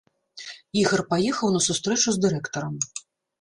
Ігар паехаў на сустрэчу с дырэктарам.